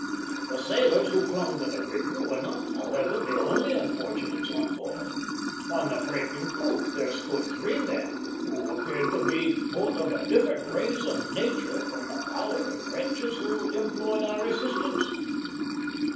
The sailors who clung to the rigging were not, however, the only unfortunates on board. On the breaking poop there stood three men who appeared to be both of a different race and nature from the cowering wretches who implored our assistance.